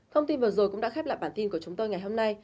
thông tin vừa rồi cũng đã khép lại bản tin của chúng tôi ngày hôm nay